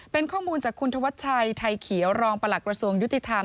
เป็นข้อมูลจากคุณธวัชชัยไทยเขียวรองประหลักกระทรวงยุติธรรม